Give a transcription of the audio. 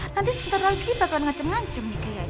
nanti sebentar lagi bakalan ngancam ngancem nih kayaknya